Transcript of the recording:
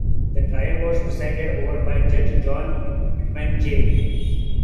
The trial was presided over by Judge John Pitman J.